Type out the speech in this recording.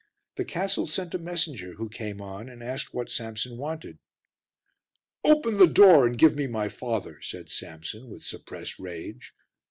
The castle sent a messenger who came on and asked what Samson wanted. "Open the door and give me my father," said Samson with suppressed rage.